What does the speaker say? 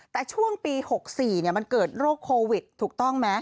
แต่ช่วงปี๖๔มันเกิดโรคโควิดถูกต้องไหม